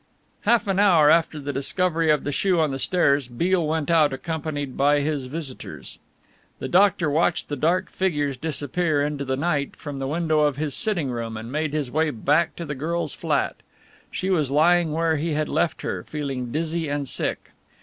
Half an hour after the discovery of the shoe on the stairs Beale went out accompanied by his visitors. The doctor watched the dark figures disappear into the night from the window of his sitting room and made his way back to the girl's flat. She was lying where he had left her, feeling dizzy and sick.